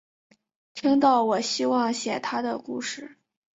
听到我希望写她的故事